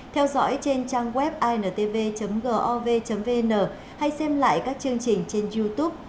theo dõi trên trang web intv gov vn hay xem lại các chương trình trên youtube